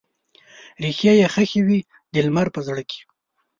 ریښې یې ښخې وي د لمر په زړه کې